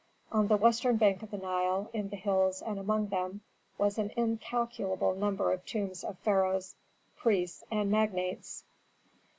On the western bank of the Nile, in the hills and among them, was an incalculable number of tombs of pharaohs, priests, and magnates.